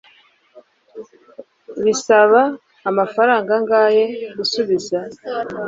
Bisaba amafaranga angahe gusubiza